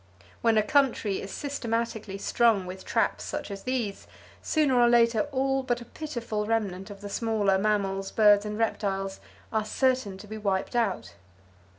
When a country is systematically strung with traps such as these, sooner or later all but a pitiful remnant of the smaller mammals, birds and reptiles are certain to be wiped out.